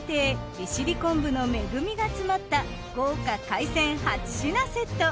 利尻昆布の恵みが詰まった豪華海鮮８品セット。